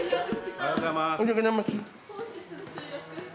おはようございます。